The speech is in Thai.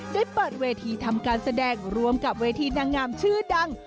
ได้เปิดเวทีทำการแสดงรวมกับเวทีนางงามชื่อดัง